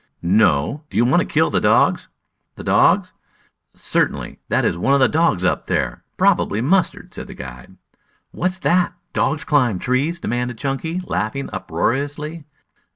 "No; do you want to kill the dogs?" "The dogs?" "Certainly. That is one of the dogs up there. Probably Mustard," said the guide. "What's that? Dogs climb trees?" demanded Chunky, laughing uproariously.